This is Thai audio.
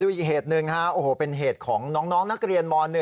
ดูอีกเหตุหนึ่งเป็นเหตุของน้องนักเรียนม๑